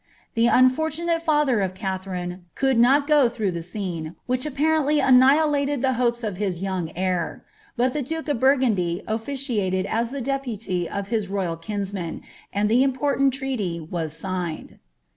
The unfurnmale (ather of KaiherJiie could not go through ihe scene, which apparently annihilated (he hopes of hia young heir; but llie duke of Burgundy officiated as the deputy of biti royal kinsman, and the iin ponant treaty was signed.'